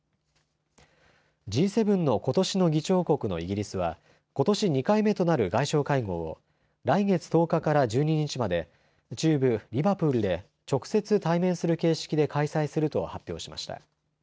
Ｇ７のことしの議長国のイギリスはことし２回目となる外相会合を来月１０日から１２日まで中部リバプールで直接対面する形式で開催すると発表しました。